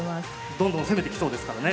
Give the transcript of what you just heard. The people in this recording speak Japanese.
どんどん攻めてきそうですからね。